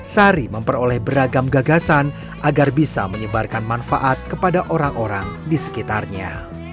sari memperoleh beragam gagasan agar bisa menyebarkan manfaat kepada orang orang di sekitarnya